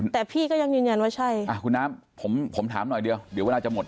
แต่พี่ก็ยังยืนยันว่าใช่คุณน้ำผมผมถามหน่อยเดียวเดี๋ยวเวลาจะหมด